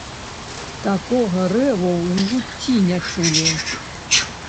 Такога рэву ў жыцці не чулі.